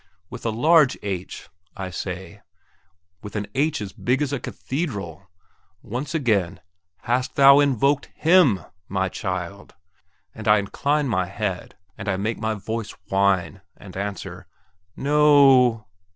With a large H, I say, with an H as big as a cathedral! once again, "Hast thou invoked Him, my child?" and I incline my head, and I make my voice whine, and answer, No!